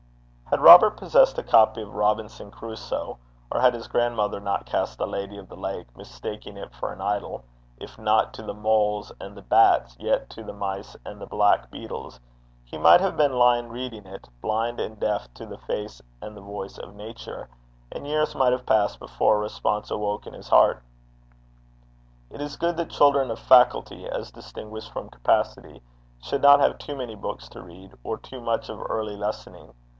Had Robert possessed a copy of Robinson Crusoe, or had his grandmother not cast The Lady of the Lake, mistaking it for an idol, if not to the moles and the bats, yet to the mice and the black beetles, he might have been lying reading it, blind and deaf to the face and the voice of Nature, and years might have passed before a response awoke in his heart. It is good that children of faculty, as distinguished from capacity, should not have too many books to read, or too much of early lessoning.